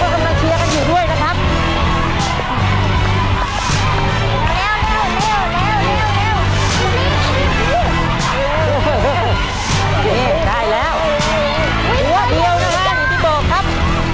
เราจะมาเชียร์กันอยู่ด้วยนะครับ